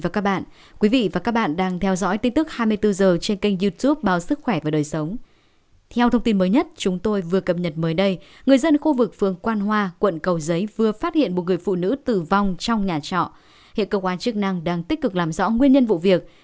các bạn hãy đăng ký kênh để ủng hộ kênh của chúng mình nhé